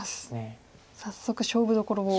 早速勝負どころを。